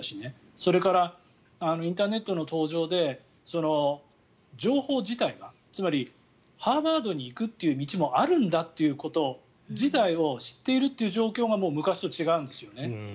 それからインターネットの登場で情報自体が、つまりハーバードに行くっていう道もあるんだということ自体を知っているという状況がもう昔と違うんですよね。